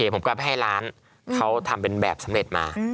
ผมก็ไปให้ร้านเขาทำเป็นแบบสำเร็จมา